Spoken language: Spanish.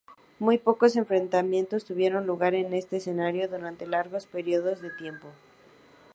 Muy pocos enfrentamientos tuvieron lugar en este escenario durante largos períodos de tiempo.